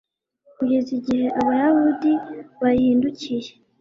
kugeza igihe abayahudi bahindukiye